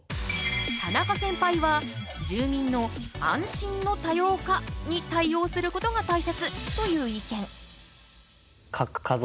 田中センパイは住民の「安心の多様化」に対応することがたいせつという意見。